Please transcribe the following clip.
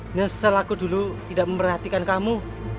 ngesel aku dulu tidak memperhatikan kamu